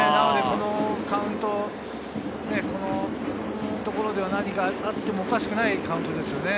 このカウントのところでは何かあってもおかしくないカウントですよね。